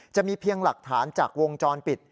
จะมีเพียงหลักฐานจากวงจรปิด